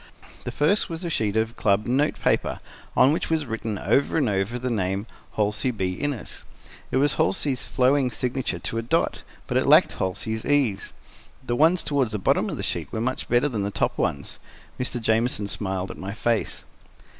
The first was a sheet of club note paper, on which was written, over and over, the name "Halsey B. Innes." It was Halsey's flowing signature to a dot, but it lacked Halsey's ease. The ones toward the bottom of the sheet were much better than the top ones. Mr. Jamieson smiled at my face.